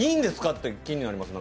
って気になります。